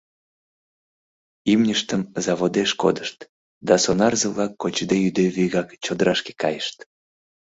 Имньыштым заводеш кодышт да сонарзе-влак кочде-йӱде вигак чодырашке кайышт.